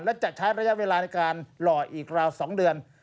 และจะใช้ระยะเวลาในการหล่ออีกราว๒เดือน